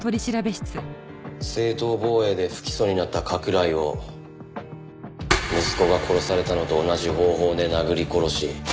正当防衛で不起訴になった加倉井を息子が殺されたのと同じ方法で殴り殺し